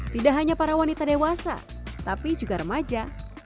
tidak hanya para wanita dewasa tapi juga remaja